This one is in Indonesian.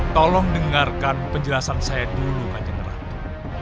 tolong dengarkan penjelasan saya dulu kanjeng ratu